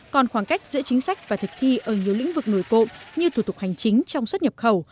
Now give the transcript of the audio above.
còn khoảng cách giữa chính sách và thực thi ở nhiều lĩnh vực nổi cộng như thủ tục hành chính trong xuất nhập khẩu